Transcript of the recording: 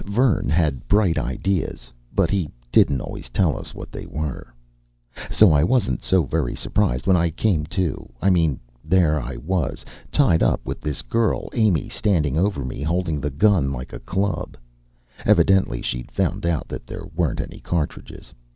Vern had bright ideas. But he didn't always tell us what they were. So I wasn't so very surprised when I came to. I mean there I was, tied up, with this girl Amy standing over me, holding the gun like a club. Evidently she'd found out that there weren't any cartridges.